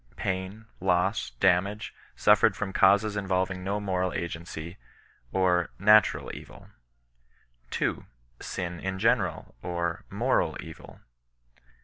Pain, loss, damage, suffered from causes involving no moral agency, or natural evil, 2. Sin in general, or moral eoil.